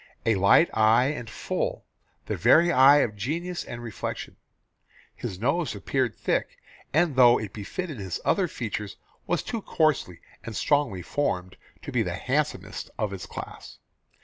A light eye and full the very eye of genius and reflection. His nose appeared thick, and though it befitted his other features was too coarsely and strongly formed to be the handsomest of its class.